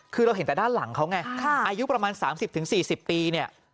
คือเราเห็นแต่ด้านหลังเขาไงอายุประมาณ๓๐๔๐ปีเนี่ย